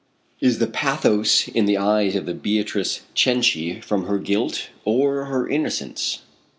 Is the pathos in the eyes of the Beatrice Cenci from her guilt or her innocence?